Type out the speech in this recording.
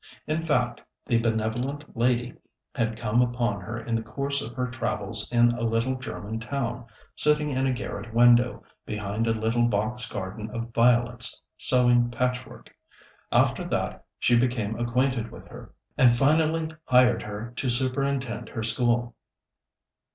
In fact, the benevolent lady had come upon her in the course of her travels in a little German town, sitting in a garret window, behind a little box garden of violets, sewing patchwork. After that, she became acquainted with her, and finally hired her to superintend her school.